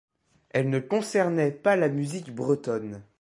Elle ne concernait pas la musique bretonne.